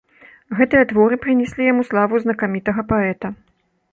Гэтыя творы прынеслі яму славу знакамітага паэта.